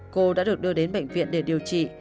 cô đã được đưa đến bệnh viện để điều trị